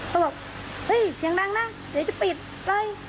เขาบอกเฮ้ยเสียงดังนะเดี๋ยวจะปิดเลย